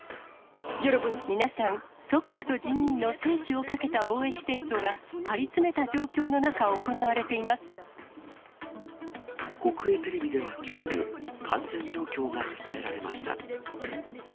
皆さん、祖国と人民の生死をかけた防疫戦争が張り詰めた状況の中、行われ国営テレビではきょうも感染状況が伝えられました。